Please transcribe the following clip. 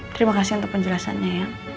terima kasih untuk penjelasannya ya